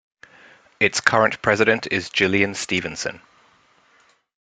Its current president is Gillian Stephenson.